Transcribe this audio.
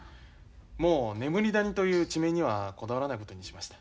もう眠り谷という地名にはこだわらないことにしました。